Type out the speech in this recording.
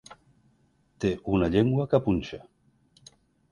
Té una llengua que punxa.